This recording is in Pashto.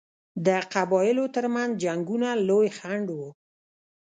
د قبایلو ترمنځ جنګونه لوی خنډ وو.